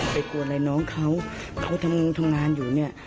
ไปกับอะไรน้องเขาเขาทำงงทำงานอยู่นี่